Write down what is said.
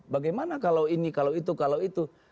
bagaimana kalau ini kalau itu kalau itu